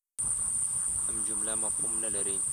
هم جمله مفهوم نه لري.